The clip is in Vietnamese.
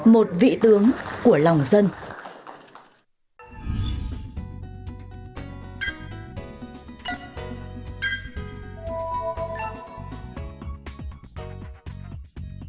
một vị tướng sống mãi với đất nước